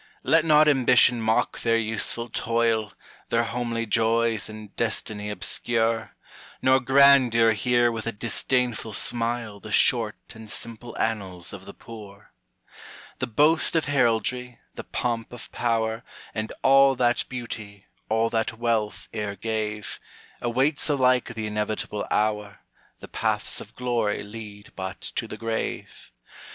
Let not ambition mock their useful toil, Their homely joys, and destiny obscure; Nor grandeur hear with a disdainful smile The short and simple annals of the poor. The boast of heraldry, the pomp of power, And all that beauty, all that wealth e'er gave, Awaits alike the inevitable hour. The paths of glory lead but to the grave.